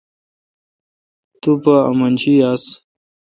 تو پا امنشی یاس۔